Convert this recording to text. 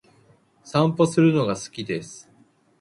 散歩するのが好きです。